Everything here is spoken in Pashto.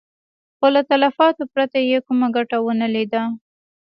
خو له تلفاتو پرته يې کومه ګټه ونه ليده.